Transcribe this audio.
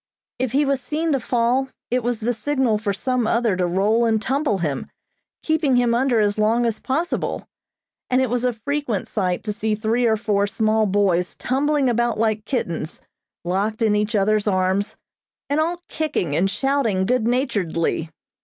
If he was seen to fall, it was the signal for some other to roll and tumble him, keeping him under as long as possible, and it was a frequent sight to see three or four small boys tumbling about like kittens, locked in each other's arms, and all kicking and shouting good naturedly.